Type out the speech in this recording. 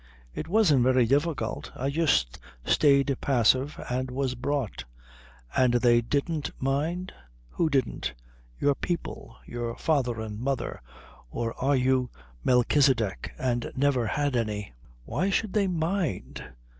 "It wasn't very difficult. I just stayed passive and was brought." "And they didn't mind?" "Who didn't?" "Your people. Your father and mother. Or are you Melchisedec and never had any?" "Why should they mind?"